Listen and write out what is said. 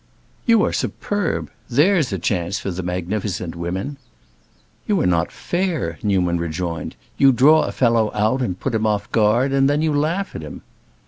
"You are superb! There's a chance for the magnificent women." "You are not fair." Newman rejoined. "You draw a fellow out and put him off guard, and then you laugh at him."